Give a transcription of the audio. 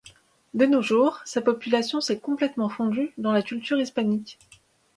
De nos jours, sa population s'est complètement fondue dans la culture hispanique.